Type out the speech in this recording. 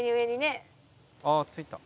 「ああついた」